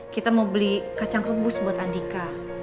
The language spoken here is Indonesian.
kita mau beli kacang rebus buat andika